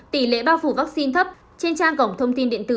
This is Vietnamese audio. tỷ lệ bao phủ vaccine thấp trên trang cổng thông tin điện tử